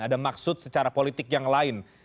ada maksud secara politik yang lain